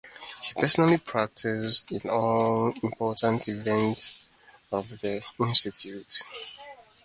He personally participated in all important events of the institute.